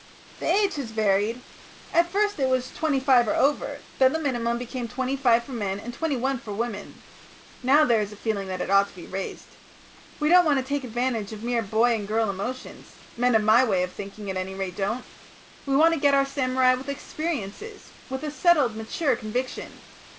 "The age has varied. At first it was twenty five or over; then the minimum became twenty five for men and twenty one for women. Now there is a feeling that it ought to be raised. We don't want to take advantage of mere boy and girl emotions men of my way of thinking, at any rate, don't we want to get our samurai with experiences, with a settled mature conviction.